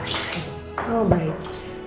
berbicara lagi tentang pembicaraan ini